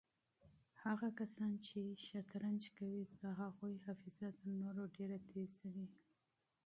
هغه کسان چې شطرنج کوي د هغوی حافظه تر نورو ډېره تېزه وي.